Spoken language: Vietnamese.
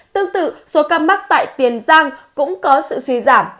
tương tự số ca mắc tại tiền giang cũng có sự suy giảm